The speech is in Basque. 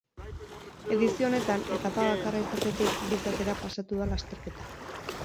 Edizio honetan, etapa bakarra izatetik bi izatera pasatu da lasterketa.